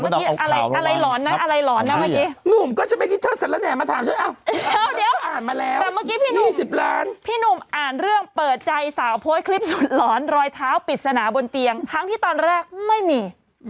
สก่อนก็เติมทานเรื่องเปิดใจสาวโพสต์คลิปสุดหลอนรอยเท้าปิดสนาบนเตียงทั้งที่ตอนแรกไม่มี